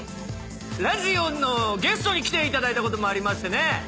ラジオのゲストに来ていただいたこともありましてね。